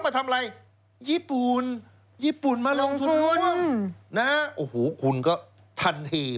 มาทำอะไรญี่ปูนญี่ปูนมาลองคุ้นนะโอ้โหคุณก็ทันทีเพราะ